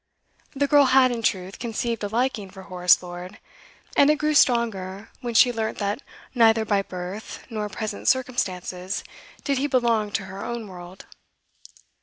The girl had, in truth, conceived a liking for Horace Lord, and it grew stronger when she learnt that neither by birth nor present circumstances did he belong to her own world.